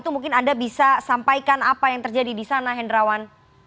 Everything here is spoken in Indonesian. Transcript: dan anda bisa sampaikan apa yang terjadi disana hendrawan